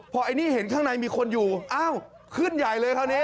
พอเห็นข้างในมีคนอยู่ขึ้นใหญ่เลยคราวนี้